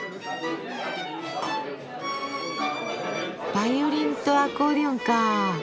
バイオリンとアコーディオンか。